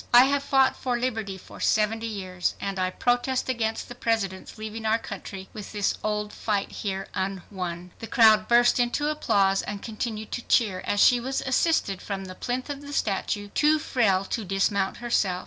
.. I have fought for liberty for seventy years, and I protest against the President's leaving our country with this old fight here unwon." The crowd burst into applause and continued to cheer as she was assisted from the plinth of the statue, too frail to dismount by herself.